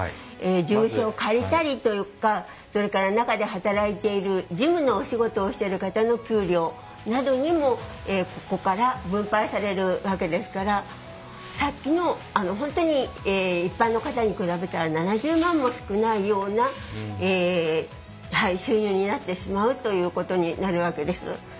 事務所を借りたりですとかそれから中で働いたりしている事務のお仕事をしている方の給料などにもここから分配されるわけですからさっきの本当に一般の方に比べたら７０万も少ないような収入になってしまうということになるわけです。